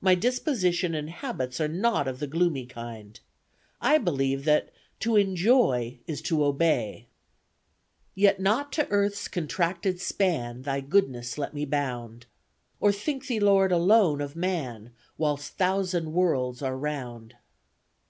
My disposition and habits are not of the gloomy kind. I believe that 'to enjoy is to obey.' Yet not to Earth's contracted span, Thy goodness let me bound; Or think thee Lord alone of man, Whilst thousand worlds are round."